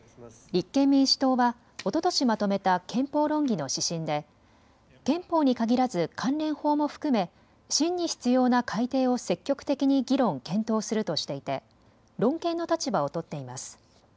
立憲民主党はおととしまとめた憲法論議の指針で憲法に限らず関連法も含め真に必要な改定を積極的に議論、検討するとしていて論憲の立場を取っています。